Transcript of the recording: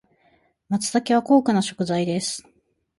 松茸は高価な食材です。